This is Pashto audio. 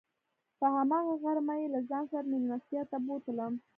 په هماغه غرمه یې له ځان سره میلمستیا ته بوتلم.